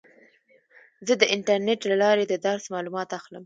زه د انټرنیټ له لارې د درس معلومات اخلم.